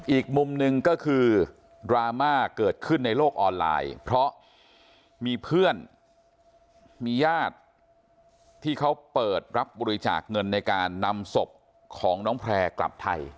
อีกมุมหนึ่งก็คือดราม่าเกิดขึ้นในโลกออนไลน์เพราะมีเพื่อนมีญาติที่เขาเปิดรับบริจาคเงินในการนำศพของน้องแพร่กลับไทย